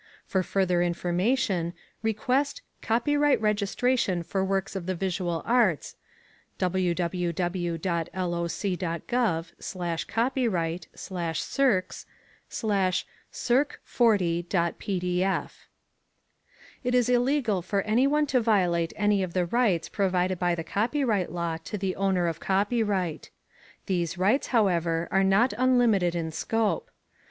For further information, request "Copyright Registration for Works of the Visual Arts" [http://www.loc.gov/copyright/circs/circ40.pdf]. It is illegal for anyone to violate any of the rights provided by the copyright law to the owner of copyright. These rights, however, are not unlimited in scope.